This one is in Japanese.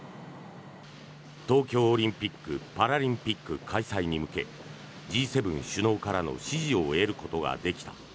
東京オリンピック・パラリンピック開催に向けＧ７首脳からの支持を得ることができた。